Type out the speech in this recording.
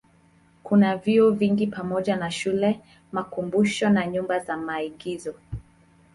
Kuna vyuo vingi pamoja na shule, makumbusho na nyumba za maigizo.